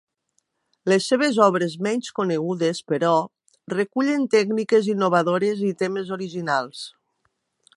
Les seves obres menys conegudes, però, recullen tècniques innovadores i temes originals.